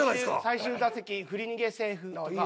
「最終打席振り逃げセーフ」とか。